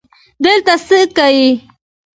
دلته څه که یې